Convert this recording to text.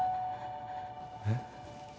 えっ？